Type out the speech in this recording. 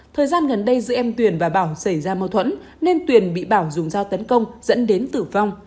thời gian gần đây giữa em tuyền và bảo xảy ra mâu thuẫn nên tuyền bị bảo dùng dao tấn công dẫn đến tử vong